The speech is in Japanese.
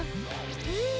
へえ！